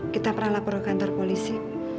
kita pernah lapor ke kantor polisi